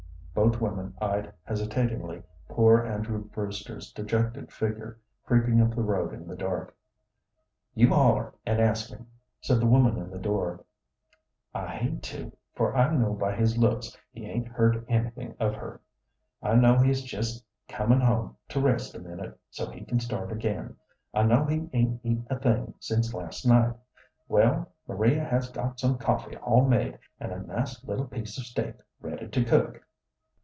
Both women eyed hesitatingly poor Andrew Brewster's dejected figure creeping up the road in the dark. "You holler and ask him," said the woman in the door. "I hate to, for I know by his looks he 'ain't heard anything of her. I know he's jest comin' home to rest a minute, so he can start again. I know he 'ain't eat a thing since last night. Well, Maria has got some coffee all made, and a nice little piece of steak ready to cook."